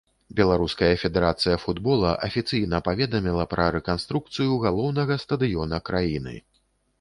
Беларуская федэрацыя футбола афіцыйна паведаміла пра рэканструкцыю галоўнага стадыёна краіны.